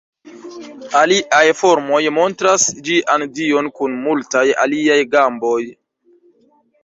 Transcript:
Aliaj formoj montras ĝian dion kun multaj aliaj gamboj.